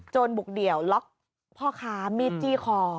บุกเดี่ยวล็อกพ่อค้ามีดจี้คอ